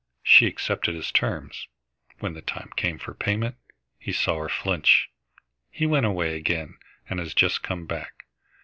She accepted his terms. When the time came for payment, he saw her flinch. He went away again and has just come back.